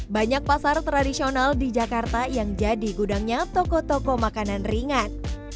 banyak pasar tradisional di jakarta yang jadi gudangnya toko toko makanan ringan